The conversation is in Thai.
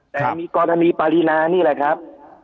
แต่มันมีกรณีปารีนานี่แหละครับ